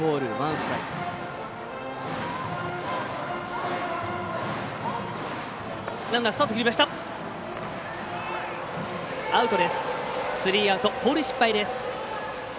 スリーアウト、盗塁失敗。